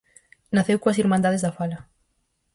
Naceu coas Irmandades da Fala.